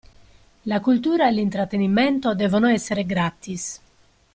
La cultura e l'intrattenimento devono essere gratis.